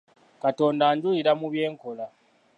Katonda anjulira mu bye nkola.